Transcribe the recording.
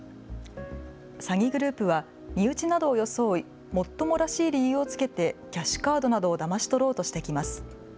詐欺グループは身内などを装いもっともらしい理由をつけてキャッシュカードなどをだまし取ろうとしてきます。